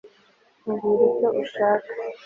mbwira icyo ushaka